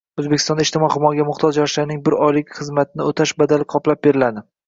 O‘zbekistonda ijtimoiy himoyaga muhtoj yoshlarning bir oylik xizmatni o‘tash badali qoplab beriladi